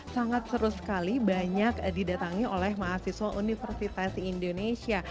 sangat seru sekali banyak didatangi oleh mahasiswa universitas indonesia